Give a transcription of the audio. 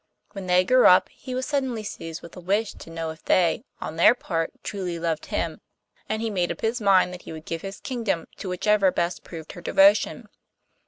When they grew up, he was suddenly seized with a wish to know if they, on their part, truly loved him, and he made up his mind that he would give his kingdom to whichever best proved her devotion.